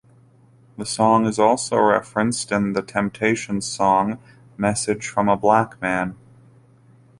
The song is also referenced in the Temptations song "Message From a Black Man".